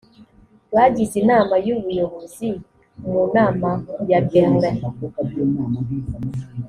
bagize inama y ubuyobozi mu nama yaberlin